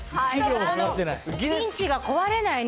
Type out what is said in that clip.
このピンチが壊れないね。